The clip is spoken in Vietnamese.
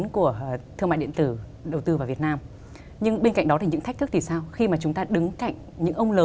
cái kênh bán hàng trực tuyến